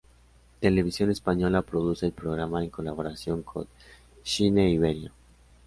Televisión Española produce el programa en colaboración con Shine Iberia.